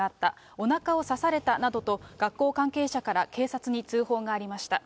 おなかを刺されたなどと、学校関係者から警察に通報がありました。